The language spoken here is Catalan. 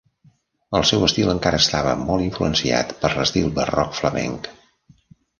El seu estil encara estava molt influenciat per l'estil barroc flamenc.